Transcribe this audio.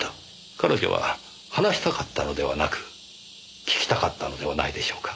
彼女は話したかったのではなく聞きたかったのではないでしょうか。